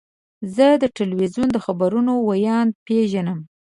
زه د تلویزیون د خبرونو ویاند پیژنم.